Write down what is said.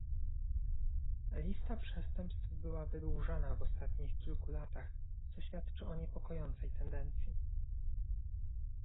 Lista przestępstw była wydłużana w ostatnich kilku latach, co świadczy o niepokojącej tendencji